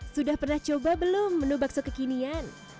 sudah pernah coba belum menu bakso kekinian